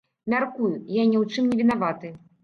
Мяркую, я ні ў чым не вінаваты.